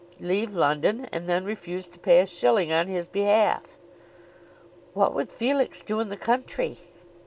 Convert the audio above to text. "Leave London, and then refuse to pay a shilling on his behalf." "What would Felix do in the country?"